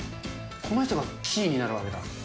この人がキーになるわけだ。